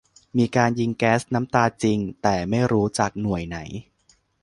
มีการยิงแก๊สน้ำตาจริง แต่ไม่รู้จากหน่วยไหน